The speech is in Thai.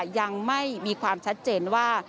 ยังไม่มีความชัดเจนว่า